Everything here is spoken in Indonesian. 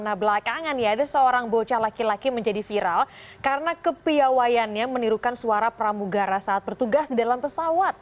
nah belakangan ya ada seorang bocah laki laki menjadi viral karena kepiawayannya menirukan suara pramugara saat bertugas di dalam pesawat